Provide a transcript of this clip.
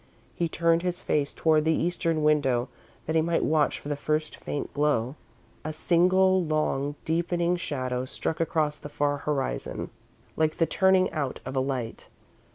He turned his face toward the Eastern window, that he might watch for the first faint glow. A single long, deepening shadow struck across the far horizon like the turning out of a light.